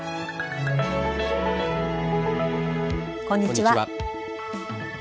こんにちは。